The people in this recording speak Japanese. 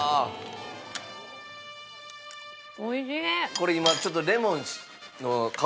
これ今ちょっと。